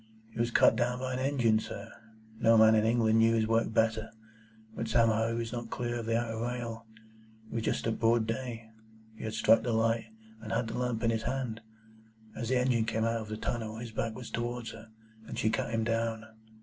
"He was cut down by an engine, sir. No man in England knew his work better. But somehow he was not clear of the outer rail. It was just at broad day. He had struck the light, and had the lamp in his hand. As the engine came out of the tunnel, his back was towards her, and she cut him down.